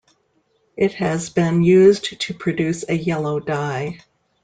It has been used to produce a yellow dye.